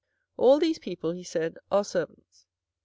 ' All these people ' he said ' are servants.'